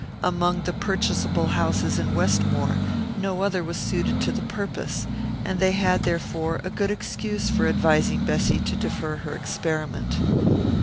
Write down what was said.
Among the purchasable houses in Westmore no other was suited to the purpose, and they had, therefore, a good excuse for advising Bessy to defer her experiment.